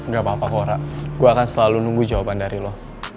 gak apa apa kokra gue akan selalu nunggu jawaban dari lo